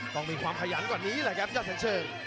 ต้องมีความขยันกว่านี้แหละครับยอดแสนเชิง